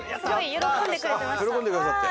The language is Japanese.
喜んでくださって。